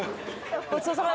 ごちそうさま。